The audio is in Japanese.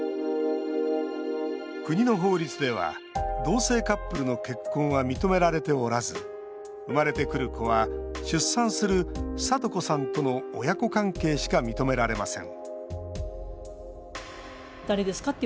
国の法律では同性カップルの結婚は認められておらず生まれてくる子は出産する、さと子さんとの親子関係しか認められません